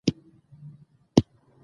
خو د دې کتاب تر نوم پورې مې دا خبره وکړه